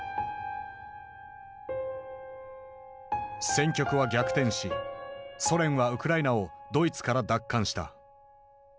戦局は逆転しソ連はウクライナをドイツから奪還した。